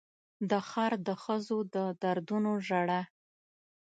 د ښار د ښځو د دردونو ژړا